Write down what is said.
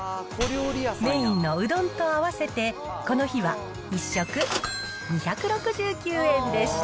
メインのうどんと合わせて、この日は１食２６９円でした。